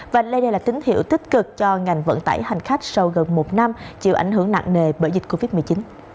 và đây đây là tín hiệu tích cực cho ngành vận tải hành khách sau gần một năm chịu ảnh hưởng nặng nề bởi dịch covid một mươi chín